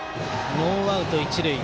ノーアウト一塁。